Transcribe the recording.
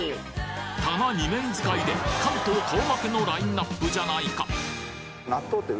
棚二面使いで関東顔負けのラインナップじゃないか！